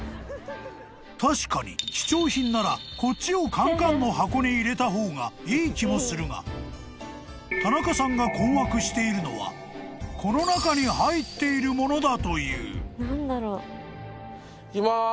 ［確かに貴重品ならこっちをカンカンの箱に入れた方がいい気もするが田中さんが困惑しているのはこの中に入っているものだという］いきます。